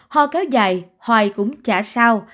ho kéo dài hoài cũng chả sao